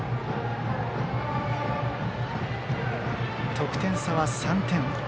得点差は３点。